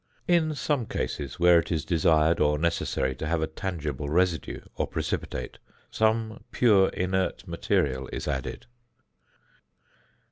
In some cases, where it is desired or necessary to have a tangible residue or precipitate, some pure inert material is added.